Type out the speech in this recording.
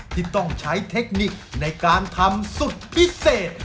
ที่ต้องใช้เทคนิคในการทำสุดพิเศษ